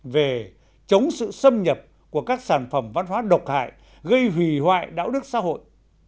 về chống sự xâm nhập của các sản phẩm văn hóa độc hại gây hủy hoại đạo đức xã hội